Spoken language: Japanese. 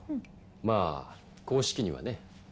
まあ公式にはね。